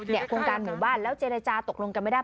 โครงการหมู่บ้านแล้วเจรจาตกลงกันไม่ได้